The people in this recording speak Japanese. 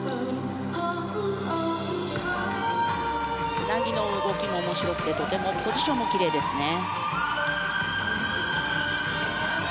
つなぎの動きも面白くてとてもポジションもきれいですね。